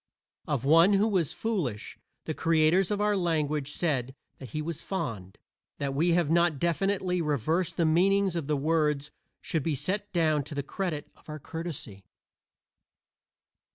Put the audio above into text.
Of one who was "foolish" the creators of our language said that he was "fond." That we have not definitely reversed the meanings of the words should be set down to the credit of our courtesy.